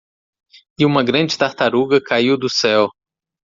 E uma grande tartaruga caiu do céu.